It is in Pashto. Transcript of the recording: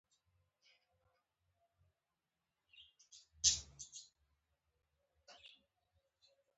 له شعر سره سم موزون اوازونه هم را پورته شول.